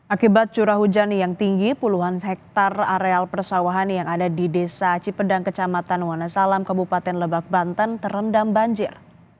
akibat curah hujan yang tinggi puluhan hektare areal persawahan yang ada di desa cipedang kecamatan wonosalam kabupaten lebak banten terendam banjir